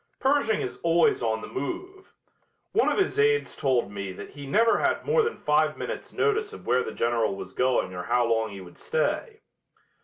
Pershing is always on the move. One of his aides told me that he never had more than five minutes' notice of where the General was going or how long he would stay.